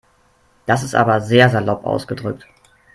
Das ist aber sehr salopp ausgedrückt.